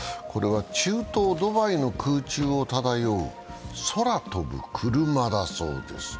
中東ドバイの空中を漂う空飛ぶ車だそうです。